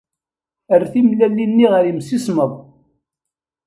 Err timellalin-nni ɣer yemsismeḍ.